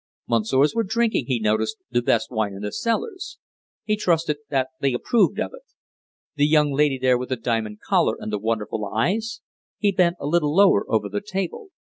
Messieurs were drinking, he noticed, the best wine in the cellars! He trusted that they approved of it. The young lady there with the diamond collar and the wonderful eyes? He bent a little lower over the table.